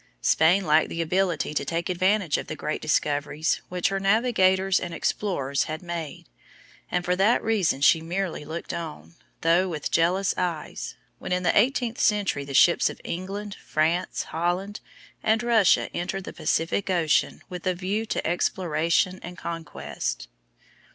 Spain lacked the ability to take advantage of the great discoveries which her navigators and explorers had made, and for that reason she merely looked on, though with jealous eyes, when in the eighteenth century the ships of England, France, Holland, and Russia entered the Pacific Ocean with a view to exploration and conquest.